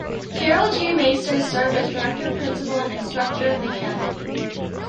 Karl G. Maeser served as director, principal, and instructor of the academy.